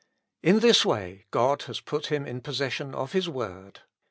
In this way God has put him in possession of His word.